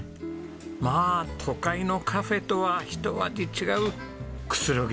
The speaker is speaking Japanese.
まあ都会のカフェとはひと味違うくつろぎですね。